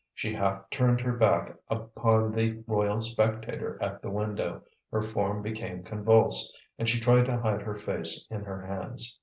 She half turned her back upon the royal spectator at the window, her form became convulsed, and she tried to hide her face in her hands.